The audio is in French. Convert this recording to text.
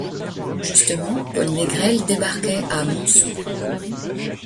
Justement, Paul Négrel débarquait à Montsou.